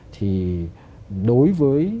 thì đối với